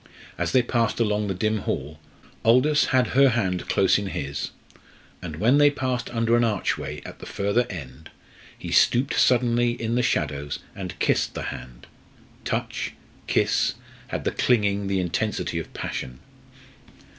As they passed along the dim hall, Aldous had her hand close in his, and when they passed under an archway at the further end he stooped suddenly in the shadows and kissed the hand. Touch kiss had the clinging, the intensity of passion.